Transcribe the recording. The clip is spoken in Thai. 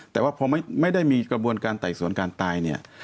แต่ว่าพอไม่ได้มีกระบวนการไต่สวนการตายเนี่ย